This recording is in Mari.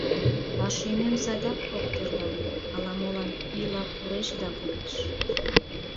А шӱмем садак ок тӧрлане, ала-молан пийла пуреш да пуреш.